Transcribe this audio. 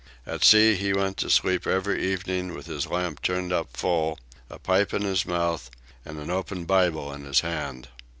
At sea he went to sleep every evening with his lamp turned up full, a pipe in his mouth, and an open Bible in his hand.